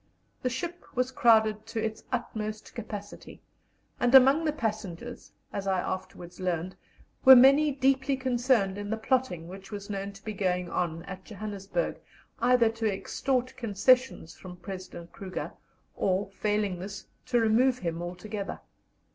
The ship was crowded to its utmost capacity, and among the passengers, as I afterwards learned, were many deeply concerned in the plotting which was known to be going on at Johannesburg, either to extort concessions from President Kruger, or, failing this, to remove him altogether.